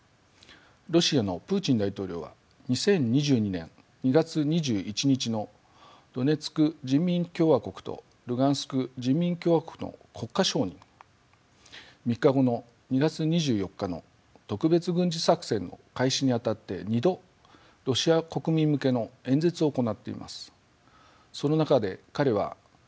ロシアのプーチン大統領は２０２２年２月２１日のドネツク人民共和国とルガンスク人民共和国の国家承認３日後の２月２４日の特別軍事作戦の開始にあたって２度ロシア国民向けの演説を行っています。